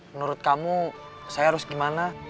menurut kamu saya harus gimana